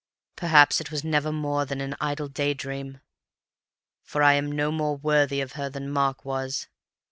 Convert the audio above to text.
Perhaps it was never more than an idle day dream, for I am no more worthy of her than Mark was.